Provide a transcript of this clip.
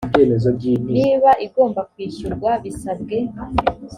niba igomba kwishyurwa bisabwe